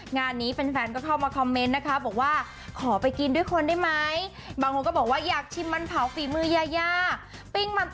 งานนี้แฟนก็เข้ามาคอมเมนต์นะคะบอกว่าขอไปกินด้วยคนได้ไหม